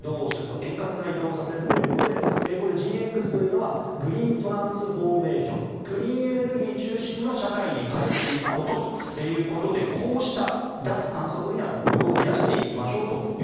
円滑な移動をするということでＧＸというのはグリーントランスフォーメーションクリーンエネルギー中心の社会に変えていくことということでこうした脱炭素分野の雇用を増やしていきましょうと。